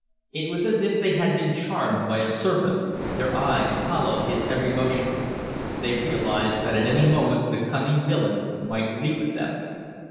It was as if they had been charmed by a serpent, their eyes followed his every motion. They realized that at any moment the cunning villain might leap at them.